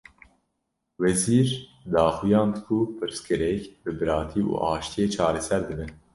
Wezîr, daxuyand ku pirsgirêk bi biratî û aştiyê çareser dibe